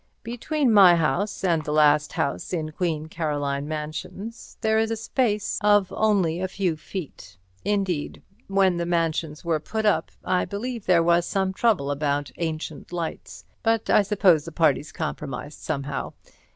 Between my house and the last house in Queen Caroline Mansions there is a space of only a few feet. Indeed, when the Mansions were put up, I believe there was some trouble about ancient lights, but I suppose the parties compromised somehow.